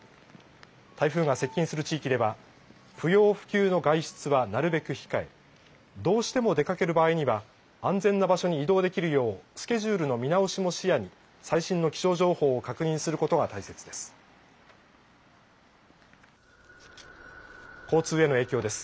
台風が接近する地域では不要不急の外出はなるべく控え、どうしても出かける場合には安全な場所に移動できるようスケジュールの見直しも視野に最新の気象情報を確認することが大切です。